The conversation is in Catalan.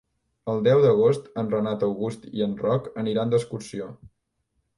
El deu d'agost en Renat August i en Roc aniran d'excursió.